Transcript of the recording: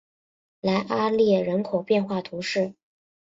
莱阿列人口变化图示